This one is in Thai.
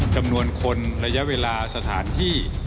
จำนวนคนระยะเวลาสถานที่